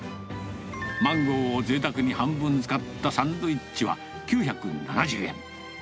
マンゴーをぜいたくに半分使ったサンドイッチは９７０円。